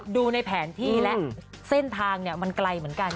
ดูในแผนที่และเส้นทางมันไกลเหมือนกัน